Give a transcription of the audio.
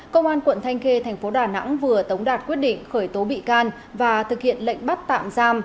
công an quận thanh khê thành phố đà nẵng vừa tống đạt quyết định khởi tố bị can và thực hiện lệnh bắt tạm giam